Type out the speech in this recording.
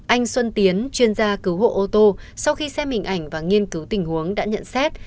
anh xuân tiến chuyên gia cứu hộ ô tô sau khi xem hình ảnh và nghiên cứu tình huống đã nhận xét